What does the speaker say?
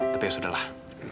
tapi ya sudah lah